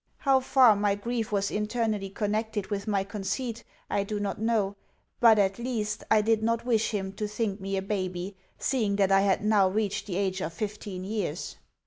How far my grief was internally connected with my conceit I do not know, but at least I did not wish him to think me a baby, seeing that I had now reached the age of fifteen years.